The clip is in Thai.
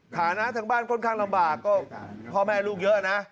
ฐานะทางบ้านค่อนข้างลำบากก็พ่อแม่ลูกเยอะนะ